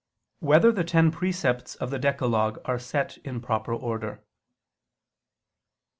6] Whether the Ten Precepts of the Decalogue Are Set in Proper Order?